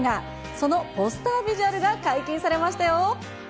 そのポスタービジュアルが解禁されましたよ。